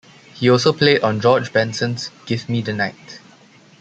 He also played on George Benson's "Give Me the Night".